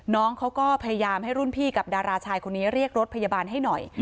น้องเขาก็พยายามให้รุ่นพี่กับดาราชายคนนี้เรียกรถพยาบาลให้หน่อย